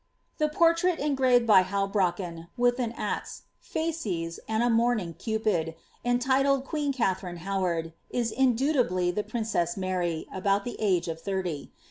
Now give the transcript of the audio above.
The portrait engraved by Hail brake I), with an axe, faaccs. and a mourning Cupid, ontiiled qnnn Katharine Howard, ia iniltibilubly the princess Mary, about the age of thirty.